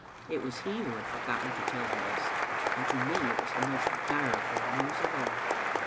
It was he who had forgotten to tell me this, and to me it was the most direful news of all.